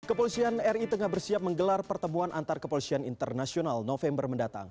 kepolisian ri tengah bersiap menggelar pertemuan antar kepolisian internasional november mendatang